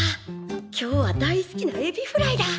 今日は大好きなエビフライだ！